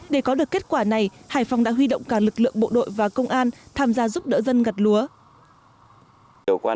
để có được kết quả này hải phòng đã huy động cả lực lượng bộ đội và công an tham gia giúp đỡ dân gặt lúa